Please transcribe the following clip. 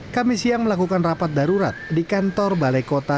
kami siang melakukan rapat darurat di kantor balai kota